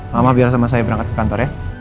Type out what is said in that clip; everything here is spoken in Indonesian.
mama biar sama saya berangkat ke kantor ya